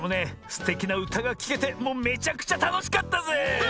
すてきなうたがきけてもうめちゃくちゃたのしかったぜ！